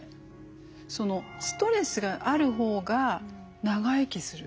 ストレスがある方が長生きする。